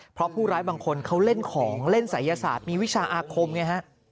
เพราะผู้ร้ายบางคนเขาเล่นของเล่นศัยศาสตร์มีวิชาอาคมไงฮะ